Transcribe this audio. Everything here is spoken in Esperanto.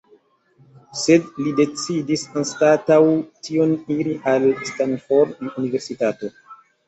Sed li decidis anstataŭ tion iri al Stanford Universitato.